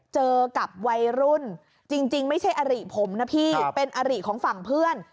เจอกับวัยรุ่นจริงจริงไม่ใช่อาหรี่ผมนะพี่ครับเป็นอาหรี่ของฝั่งเพื่อน